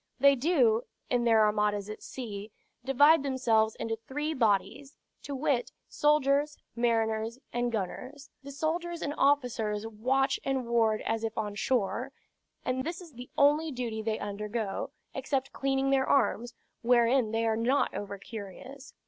"They do, in their armadas at sea, divide themselves into three bodies; to wit, soldiers, mariners, and gunners. The soldiers and officers watch and ward as if on shore; and this is the only duty they undergo, except cleaning their arms, wherein they are not over curious.